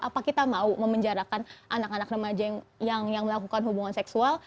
apa kita mau memenjarakan anak anak remaja yang melakukan hubungan seksual